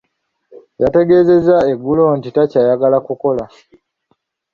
Yategeezezza eggulo nti takyayagala kukola.